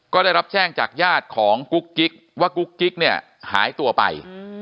ก็ได้รับแจ้งจากญาติของกุ๊กกิ๊กว่ากุ๊กกิ๊กเนี่ยหายตัวไป